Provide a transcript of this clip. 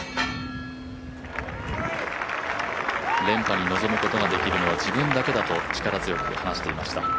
連覇に臨むことができるのは自分だけだと力強く話していました。